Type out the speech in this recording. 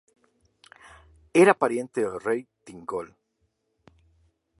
Era pariente del rey Thingol.